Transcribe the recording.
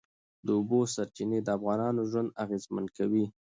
د اوبو سرچینې د افغانانو ژوند اغېزمن کوي.